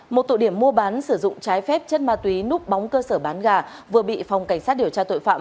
một tụ điểm mua bán sử dụng trái phép chất ma túy núp bóng cơ sở bán gà vừa bị phòng cảnh sát điều tra tội phạm